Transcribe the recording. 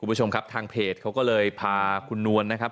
คุณผู้ชมครับทางเพจเขาก็เลยพาคุณนวลนะครับ